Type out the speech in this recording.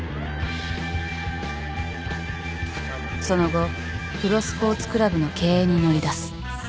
その後プロスポーツクラブの経営に乗り出す。